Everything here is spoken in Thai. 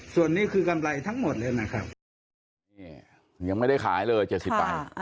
ส่วนนี้คือกำไรทั้งหมดเลยนะครับ